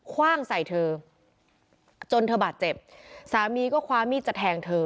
คว่างใส่เธอจนเธอบาดเจ็บสามีก็คว้ามีดจะแทงเธอ